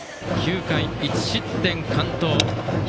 ９回１失点完投。